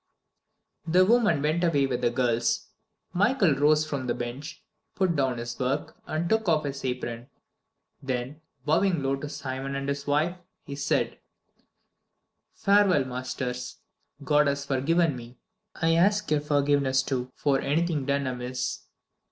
X The woman went away with the girls. Michael rose from the bench, put down his work, and took off his apron. Then, bowing low to Simon and his wife, he said: "Farewell, masters. God has forgiven me. I ask your forgiveness, too, for anything done amiss."